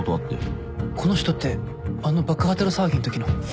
この人ってあの爆破テロ騒ぎのときの？